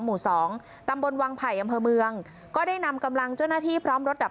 หมู่สองตำบลวังไผ่อำเภอเมืองก็ได้นำกำลังเจ้าหน้าที่พร้อมรถดับ